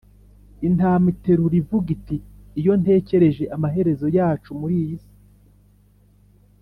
intama iterura ivuga iti« iyo ntekereje amaherezo yacu muri iyi si,